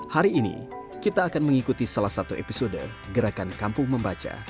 hari ini kita akan mengikuti salah satu episode gerakan kampung membaca